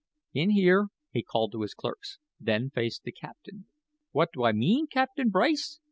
"In here," he called to his clerks, then faced the captain. "What do I mean, Captain Bryce?"